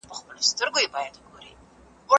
له سنگر څخه سنگر ته خوځېدلی